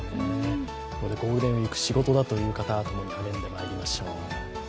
ゴールデンウイーク仕事だという方、共に励んでいきましょう。